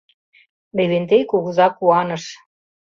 — Левентей кугыза куаныш.